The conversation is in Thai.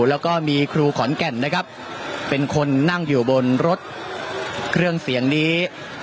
แล้วก็มีครูขอนแก่นนะครับเป็นคนนั่งอยู่บนรถเครื่องเสียงนี้